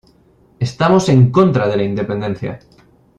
Estamos en contra de la independencia.